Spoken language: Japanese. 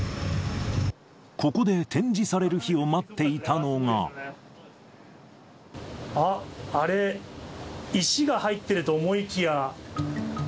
ここで展示される日を待ってあっ、あれ、石が入っていると思いきや。